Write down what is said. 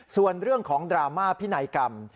ส่วนเรื่องของดราม่าพินัยกรรม